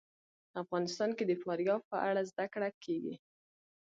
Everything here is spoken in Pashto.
افغانستان کې د فاریاب په اړه زده کړه کېږي.